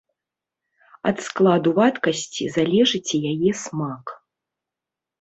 Ад складу вадкасці залежыць і яе смак.